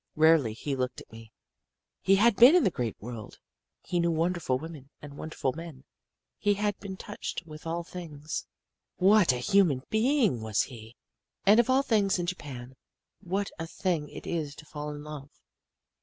Rarely he looked at me. He had been in the great world. He knew wonderful women and wonderful men. He had been touched with all things. "What a human being was he! "And of all things in Japan, what a thing it is to fall in love!